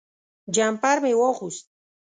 جمپر مې واغوست.